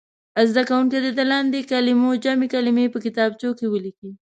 زده کوونکي دې د لاندې کلمو جمع کلمې په کتابچو کې ولیکي.